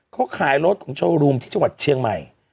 เขาขายรถของโชว์รูมที่จังหวัดเชียงใหม่